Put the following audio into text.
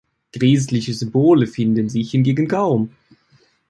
Christliche Symbole finden sich hingegen kaum.